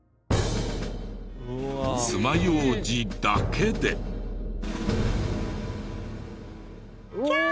つまようじだけで。キャーッ！